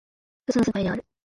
一つの世界である。